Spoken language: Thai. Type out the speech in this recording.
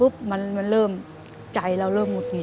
อเรนนี่นี่คือเหตุการณ์เริ่มต้นหลอนช่วงแรกแล้วมีอะไรอีก